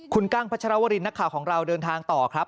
คุณกั้งพัชรวรินนักข่าวของเราเดินทางต่อครับ